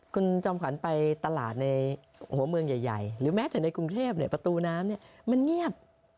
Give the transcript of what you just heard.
คุณจอมขวัญไปตลาดในหัวเมืองใหญ่หรือแม้แต่ในกรุงเทพประตูน้ำมันเงียบ